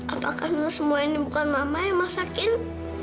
apakah ini semua bukan mama yang masakin